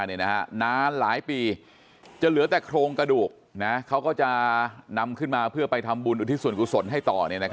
นานหลายปีจะเหลือแต่โครงกระดูกเขาก็จะนำขึ้นมาเพื่อไปทำบุญอุทิศส่วนกุศลให้ต่อ